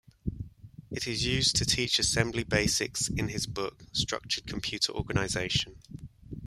It is used to teach assembly basics in his book "Structured Computer Organization".